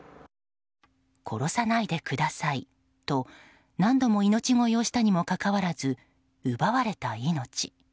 殺さないでくださいと何度も命乞いをしたにもかかわらず奪われた命。